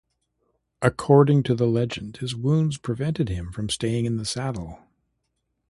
According to the legend, his wounds prevented him from staying in the saddle.